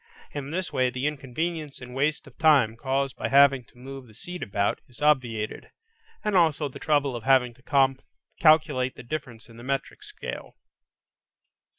In this way the inconvenience and waste of time caused by having to move the seat about, is obviated, and also the trouble of having to calculate the difference in the metric scale.